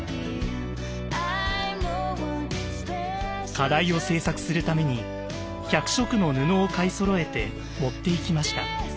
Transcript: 課題を制作するために１００色の布を買いそろえて持って行きました。